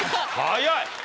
早い！